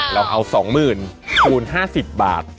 เราเอา๒๐๐๐คูณ๕๐บาท